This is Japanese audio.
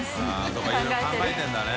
そうかいろいろ考えてるんだね。